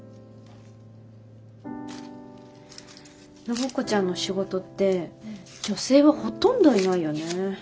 暢子ちゃんの仕事って女性はほとんどいないよね。